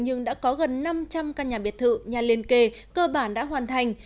nhưng đã có gần năm trăm linh căn nhà biệt thự nhà liên kề cơ bản đã hoàn thành